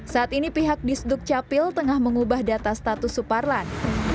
saat ini pihak disduk capil tengah mengubah data status suparlan